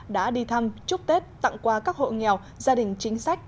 đã đi thăm chúc tết tặng quà các hộ nghèo gia đình chính sách